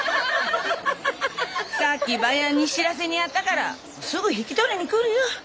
さっき番屋に知らせにやったからすぐ引き取りに来るよ。